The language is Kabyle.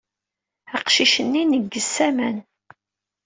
Aqcic-nni ineggez s aman.